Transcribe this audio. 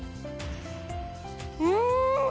うん！